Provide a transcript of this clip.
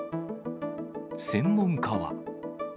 専門家は。